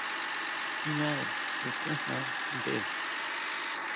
Ñare xi kuijná tʼen.